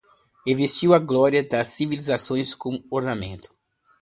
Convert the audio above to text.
E vestiu as glórias das civilizações como ornamento